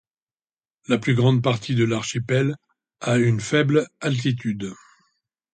La plus grande partie de l'archipel a une faible altitude.